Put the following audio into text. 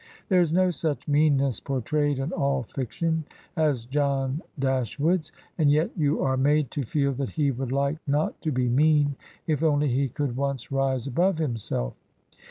There is no such meanness portrayed in all fiction as John Dashwood's, and yet you are made to feel that he would Hke not to be mean if only he could once rise above himself.